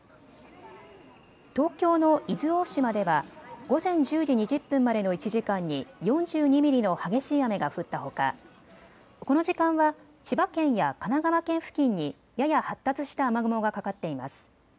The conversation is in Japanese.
東京の伊豆大島では午前１０時２０分までの１時間に４２ミリの激しい雨が降ったほかこの時間は千葉県や神奈川県付近にやや発達した雨雲がかかっています。